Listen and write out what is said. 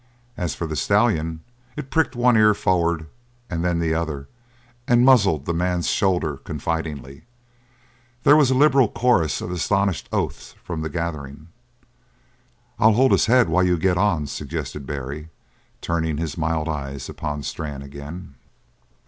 As for the stallion, it pricked one ear forward and then the other, and muzzled the man's shoulder confidingly. There was a liberal chorus of astonished oaths from the gathering. "I'll hold his head while you get on," suggested Barry, turning his mild eyes upon Strann again.